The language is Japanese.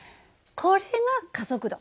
これが加速度？